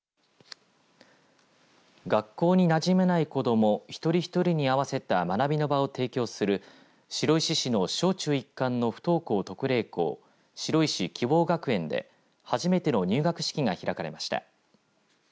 学校になじめない子ども一人一人に合わせた学びの場を提供する白石市の小中一貫不登校特例校白石きぼう学園で初めての入学式が開かれました。